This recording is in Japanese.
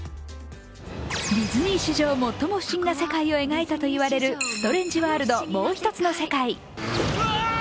ディズニー史上最も不思議な世界を描いたと言われる「ストレンジ・ワールド／もうひとつの世界」。